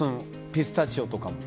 ピスタチオとか。